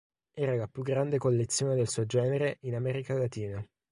Era la più grande collezione del suo genere in America Latina.